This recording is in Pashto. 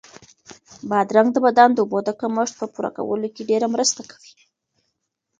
بادرنګ د بدن د اوبو د کمښت په پوره کولو کې ډېره مرسته کوي.